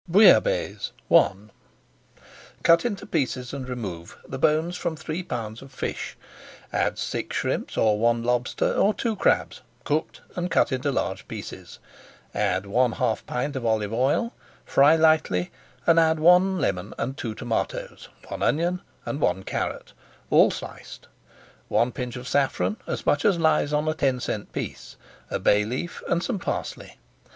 BOUILLABAISSE I Cut into pieces and remove the bones from three pounds of fish, add six shrimps or one lobster or two crabs, cooked, and cut into large pieces, add one half pint of olive oil; fry lightly, and add one lemon and two tomatoes, one onion, and one carrot, all sliced, one pinch of saffron, as much as lies on a ten cent piece, a bay leaf, and some parsley.